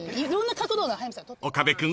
［岡部君